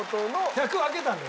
１００分けたんだよ